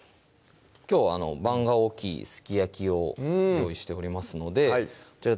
きょう盤が大きいすき焼き用用意しておりますのでこちら